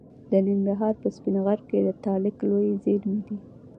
د ننګرهار په سپین غر کې د تالک لویې زیرمې دي.